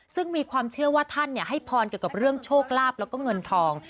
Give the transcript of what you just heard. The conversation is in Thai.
ซึ่งมีความเชื่อว่าท่านให้พรเกี่ยวกับเรื่องโชคลาภแล้วก็เงินทอง